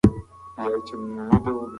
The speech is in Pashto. زه هره ورځ ورزش کوم تر څو ځوان پاتې شم.